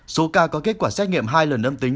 số ca có kết quả xét nghiệm hai lần âm tính